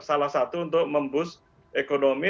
salah satu untuk memboost ekonomi